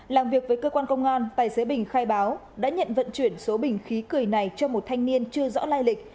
làm việc với cơ quan công an tài xế bình khai báo đã nhận vận chuyển số bình khí cười này cho một thanh niên chưa rõ lai lịch